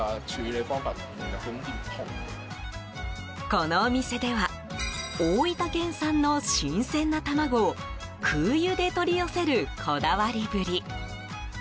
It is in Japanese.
このお店では大分県産の新鮮な卵を空輸で取り寄せるこだわりぶり。